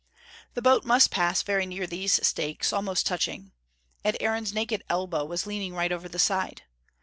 The boat must pass very near these stakes, almost touching. And Aaron's naked elbow was leaning right over the side.